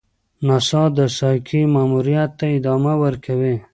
ناسا د سایکي ماموریت ته ادامه ورکوي.